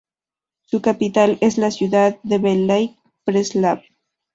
Su capital es la ciudad de Veliki Preslav.